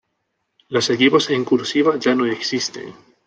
Los equipos en "cursiva" ya no existen.